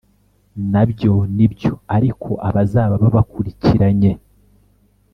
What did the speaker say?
Na byo ni byo, ariko abazaba babakurikiranye,